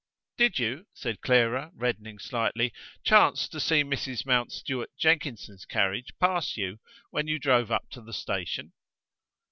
"Did you," said Clara, reddening slightly, "chance to see Mrs. Mountstuart Jenkinson's carriage pass you when you drove up to the station?"